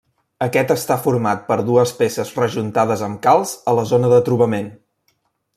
Aquest està format per dues peces rejuntades amb calç a la zona de trobament.